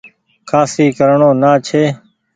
کآسي ڪرڻو نآ ڇي ۔